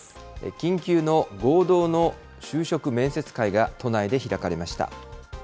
緊急の合同の就職面接会が都内で開かれました。